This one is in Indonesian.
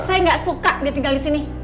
saya gak suka dia tinggal disini